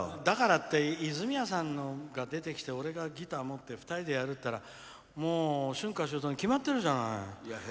だからって泉谷さんが出てきて俺がギター持って２人でやるったらもう「春夏秋冬」に決まってるじゃない。